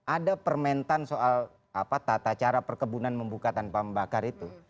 ada permentan soal tata cara perkebunan membuka tanpa membakar itu